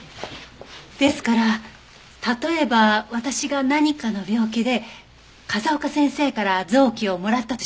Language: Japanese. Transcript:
ですから例えば私が何かの病気で風丘先生から臓器をもらったとします。